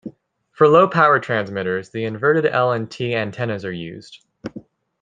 For low power transmitters, inverted-L and T antennas are used.